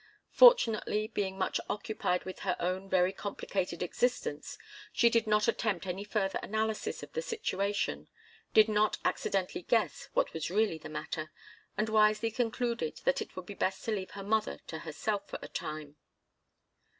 Fortunately, being much occupied with her own very complicated existence, she did not attempt any further analysis of the situation, did not accidentally guess what was really the matter, and wisely concluded that it would be best to leave her mother to herself for a time.